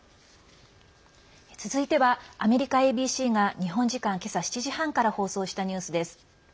続いてはアメリカＡＢＣが日本時間、今朝７時半から放送したニュースです。